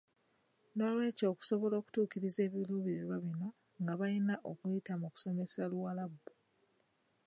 N'olwekyo okusobola okutuukiriza ebiruubirirwa bino nga balina kuyita mu kusomesa Luwarabu.